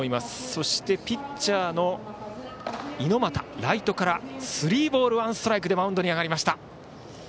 そしてピッチャーの猪俣ライトからスリーボールワンストライクでマウンドに上がりました。